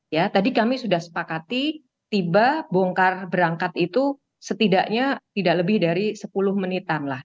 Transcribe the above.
ya tadi kami sudah sepakati tiba bongkar berangkat itu setidaknya tidak lebih dari sepuluh menitan lah